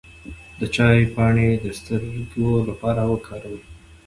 د چای پاڼې د سترګو لپاره وکاروئ